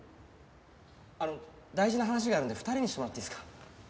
あの大事な話があるんで２人にしてもらっていいですか？